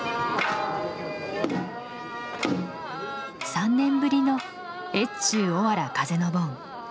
３年ぶりの越中おわら風の盆。